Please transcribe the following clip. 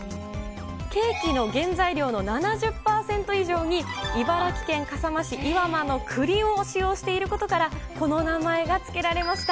ケーキの原材料の７０％以上に茨城県笠間市岩間のくりを使用していることから、この名前が付けられました。